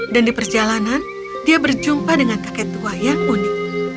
dan di perjalanan dia berjumpa dengan kakek tua yang unik